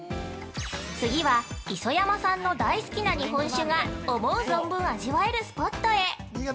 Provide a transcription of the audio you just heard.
◆次は、磯山さんの大好きな日本酒が思う存分味わえるスポットへ。